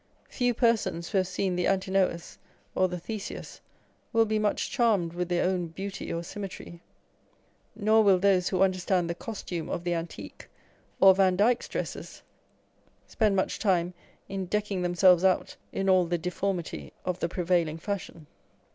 Few persons who have seen the Antinous or the Theseus will be much charmed with their own beauty or symmetry ; nor will those who understand the costume of the antique, or Vandyke's dresses, spend much time in decking themselves out in all the deformity of the prevailing fashion.